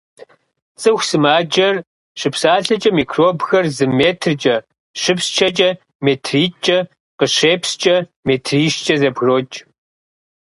ЦӀыху сымаджэр щыпсалъэкӀэ микробхэр зы метркӀэ, щыпсчэкӀэ метритӏкӀэ, къыщепскӀэ метрищкӀэ зэбгрокӀ.